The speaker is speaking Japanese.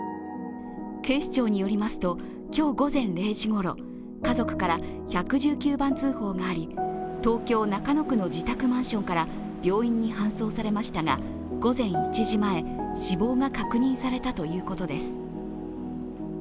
警視庁によりますと今日午前０時ごろ家族から１１９番通報があり東京・中野区の自宅マンションから病院に搬送されましたが午前１時前、死亡が確認されたということです。